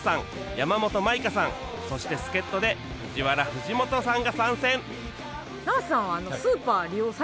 山本舞香さんそして助っ人で ＦＵＪＩＷＡＲＡ 藤本さんが参戦